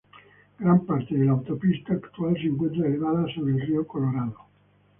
Gran parte de la autopista actual se encuentra elevada sobre el río Colorado.